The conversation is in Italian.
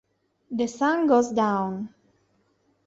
The Sun Goes Down